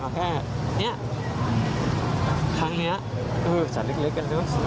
มันแค่เนี่ยทั้งนี้สัตว์เล็กกันแล้ว